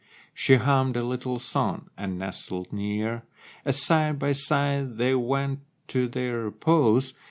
She hummed a little song and nestled near, As side by side they went to their repose.